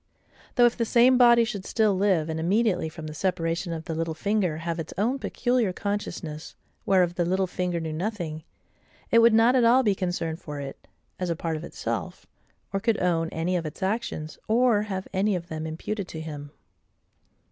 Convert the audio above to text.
Though, if the same body should still live, and immediately from the separation of the little finger have its own peculiar consciousness, whereof the little finger knew nothing, it would not at all be concerned for it, as a part of itself, or could own any of its actions, or have any of them imputed to him.